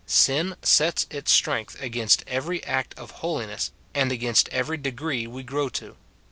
Sin sets its sti ength against every act of holiness, and against every degree we grow to.